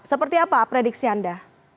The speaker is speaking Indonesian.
seperti apa prediksi anda